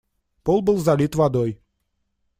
Пол был залит водой.